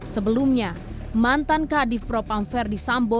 sebelumnya mantan kadif propam verdi sambo